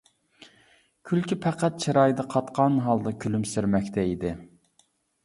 كۈلكە پەقەت چىرايىدا قاتقان ھالدا كۈلۈمسىرىمەكتە ئىدى.